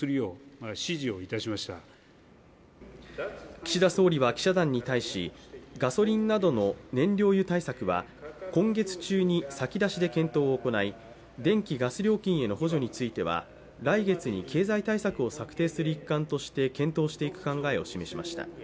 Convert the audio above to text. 岸田総理は記者団に対しガソリンなどの燃料油対策は今月中に先出しで検討を行い、電気・ガス料金への補助については来月に経済対策を策定する一環として検討していく考えを示しました。